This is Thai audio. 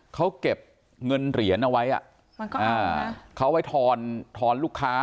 เขาเก็บเงินเหรียญเอาไว้อ่ะมันก็เอาเนี้ยเขาไว้ทอนลูกค้า